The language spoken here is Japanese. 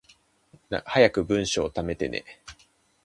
早く文章溜めてね